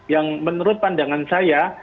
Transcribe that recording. yang menurut pandangan saya